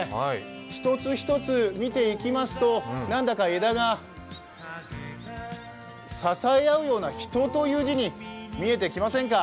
一つ一つ見ていきますと何だか枝が支え合うような「人」という字に見えてきませんか？